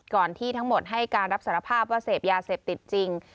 ที่ทั้งหมดให้การรับสารภาพว่าเสพยาเสพติดจริง